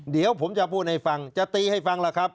เดี๋ยวผมจะพูดให้ฟังจะตีให้ฟังล่ะครับ